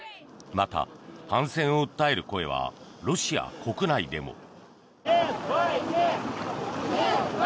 また反戦を訴える声はロシア国内でも。